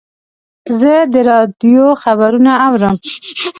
زه د راډیو خبرونه اورم.